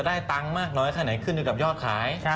ขายตรงมันคืนแค่ยอดขาย